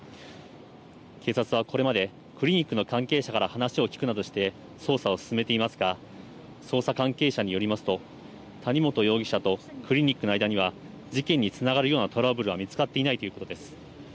警察はこれまで、クリニックの関係者から話を聴くなどして捜査を進めていますが、捜査関係者によりますと、谷本容疑者とクリニックの間には、事件につながるようなトラブルは見つかっていないということです。